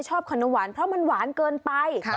ขนมหวานเพราะมันหวานเกินไป